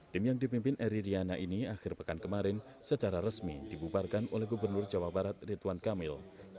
tim yang dipimpin eri diana ini akhir pekan kemarin secara resmi dibubarkan oleh gubernur jawa barat rituan kamil